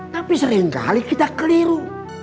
tapi seringkali kita keliru